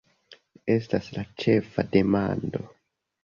Estas la ĉefa demando!